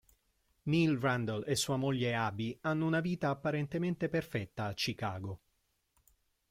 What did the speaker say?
Neil Randall e sua moglie Abby hanno una vita apparentemente perfetta a Chicago.